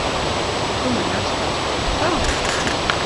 Tu mani atstāsi tumsā?